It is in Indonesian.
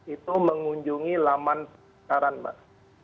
itu mengunjungi laman saran mbak